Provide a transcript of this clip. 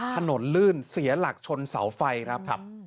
ถนนลื่นเสียหลักชนเสาไฟครับ